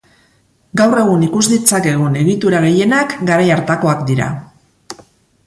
Gaur egun ikus ditzakegun egitura gehienak garai hartakoak dira.